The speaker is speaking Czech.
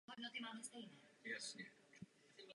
Do Madridu dorazily o rok později.